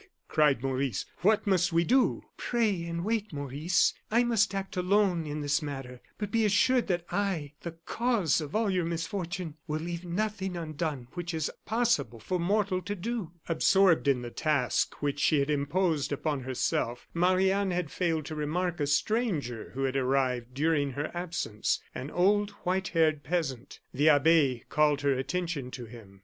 cried Maurice; "what must we do?" "Pray and wait, Maurice. I must act alone in this matter, but be assured that I the cause of all your misfortune will leave nothing undone which is possible for mortal to do." Absorbed in the task which she had imposed upon herself, Marie Anne had failed to remark a stranger who had arrived during her absence an old white haired peasant. The abbe called her attention to him.